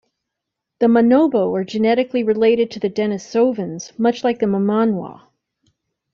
The Manobo are genetically related to the Denisovans, much like the Mamanwa.